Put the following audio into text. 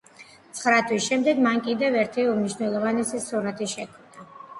ცხრა თვის შემდეგ მან კიდევ ერთი უმნიშვნელოვანესი სურათი შექმნა.